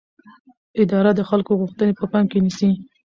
اداره د خلکو غوښتنې په پام کې نیسي.